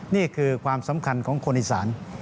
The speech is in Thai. นี่คือความสำคัญของคนอีสาน